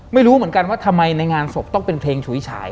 ไม่รู้เหมือนกันว่าทำไมในงานศพต้องเป็นเพลงฉุยฉาย